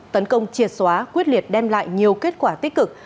tấn công triệt xóa quyết liệt đem lại nhiều kết quả tích cực